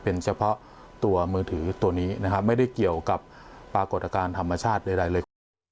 เป็นเฉพาะตัวมือถือตัวนี้นะครับไม่ได้เกี่ยวกับปรากฏการณ์ธรรมชาติใดเลยคุณ